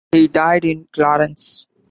He died in Clarens.